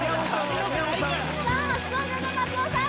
さあ初登場の松尾さん